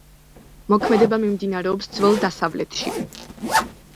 მოქმედება მიმდინარეობს ძველ დასავლეთში.